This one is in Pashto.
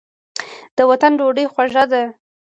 د وطن ډوډۍ خوږه ده.